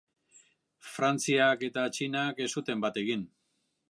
Frantzia eta Txinak ez zuten bat egin.